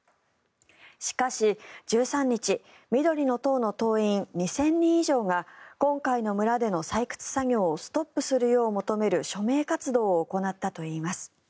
しかし、１３日緑の党の党員２０００人以上が今回の村での採掘作業をストップするよう求める署名活動を行ったといいます。